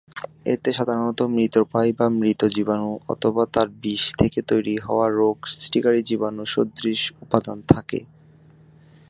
এতে সাধারণত মৃতপ্রায় বা মৃত জীবাণু অথবা তার বিষ থেকে তৈরী হওয়া রোগ সৃষ্টিকারী জীবাণু-সদৃশ উপাদান থাকে।